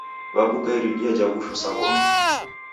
Wabuka iridia ja w'ushu sa w'omi.